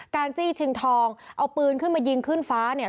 จี้ชิงทองเอาปืนขึ้นมายิงขึ้นฟ้าเนี่ย